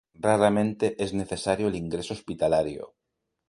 Raramente es necesario el ingreso hospitalario.